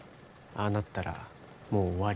ああなったらもう終わり。